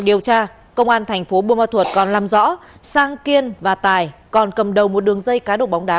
điều tra công an thành phố buôn ma thuật còn làm rõ sang kiên và tài còn cầm đầu một đường dây cá độ bóng đá